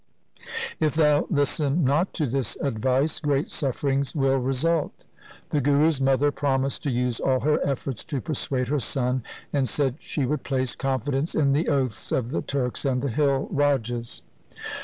If thou listen not to this advice, great sufferings will result.' The Guru's mother promised to use all her efforts to persuade her son, and said she would place confidence in the oaths of the Turks and the hill rajas.